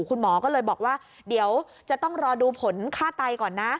คุณหมอก็เลยบอกว่าเดี๋ยวจะต้องรอดูผลฆ่าไตก่อนนะ